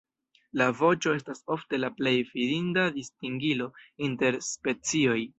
La voĉo estas ofte la plej fidinda distingilo inter specioj.